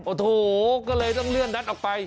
โอ้โหก็เลยต้องเลื่อนนัดออกไป